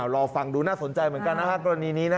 ลองฟังดูน่าสนใจเหมือนกันนะครับ